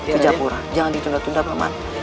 ke japura jangan ditunda tunda paman